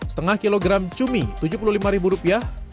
setengah kilogram cumi tujuh puluh lima ribu rupiah